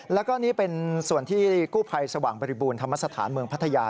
แล้วก็นี่เป็นส่วนที่กู้ภัยสว่างบริบูรณธรรมสถานเมืองพัทยา